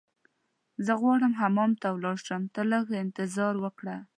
زه غواړم حمام ته ولاړ شم، ته لږ انتظار وکړه.